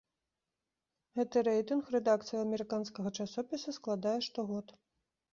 Гэты рэйтынг рэдакцыя амерыканскага часопіса складае штогод.